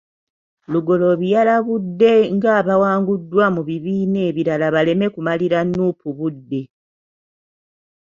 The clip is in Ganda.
Lugoloobi yalabudde ng'abawanguddwa mu bibiina ebirala baleme kumalira Nuupu budde